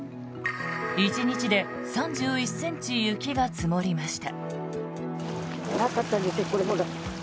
１日で３１ｃｍ雪が積もりました。